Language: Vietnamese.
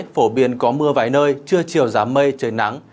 phổ biến có mưa vái nơi chưa chiều giảm mây trời nắng